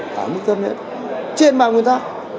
phải quyết tâm nhất trên mạng người ta